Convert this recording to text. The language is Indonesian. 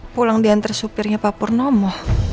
pulang diantar supirnya pak purnomo